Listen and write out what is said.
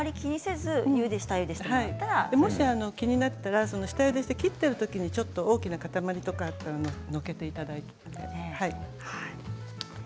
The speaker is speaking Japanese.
もし気になったら下ゆでして切っているときにちょっと大きな塊とかあったらよけていただいて。